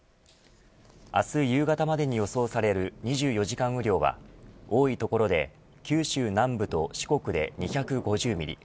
明日夕方までに予想される２４時間雨量は多い所で九州南部と四国で２５０ミリ。